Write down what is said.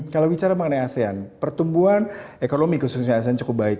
kalau bicara mengenai asean pertumbuhan ekonomi khususnya asean cukup baik